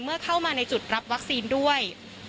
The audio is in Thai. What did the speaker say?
เข้ามาในจุดรับวัคซีนด้วย